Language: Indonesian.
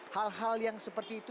hal hal yang seperti itu